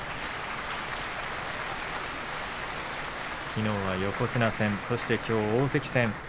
きのうは横綱戦、そしてきょうは大関戦。